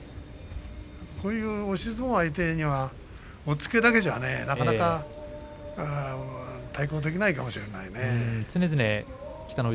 こういう押し相撲も相手には押っつけだけじゃ対抗できないかもしれないね。